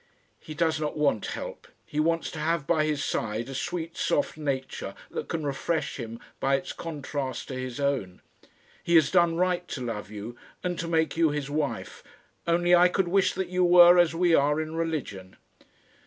"He does not want help. He wants to have by his side a sweet soft nature that can refresh him by its contrast to his own. He has done right to love you, and to make you his wife; only, I could wish that you were as we are in religion."